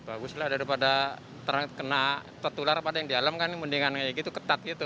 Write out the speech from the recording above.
bagus lah daripada terkena tertular pada yang di alam kan mendingan kayak gitu ketat gitu